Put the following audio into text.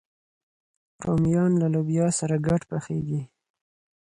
رومیان له لوبیا سره ګډ پخېږي